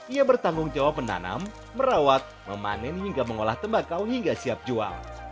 ia bertanggung jawab menanam merawat memanen hingga mengolah tembakau hingga siap jual